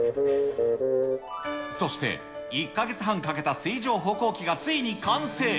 そして、１か月半かけた水上歩行機がついに完成。